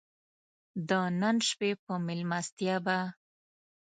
د نن شپې په مېلمستیا به.